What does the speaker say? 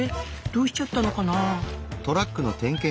どうしちゃったのかな？